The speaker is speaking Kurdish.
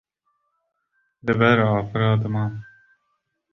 li ber afira dimam